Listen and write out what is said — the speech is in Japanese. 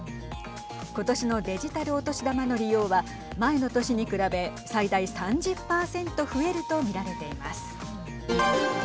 今年のデジタルお年玉の利用は前の年に比べ最大３０％増えると見られています。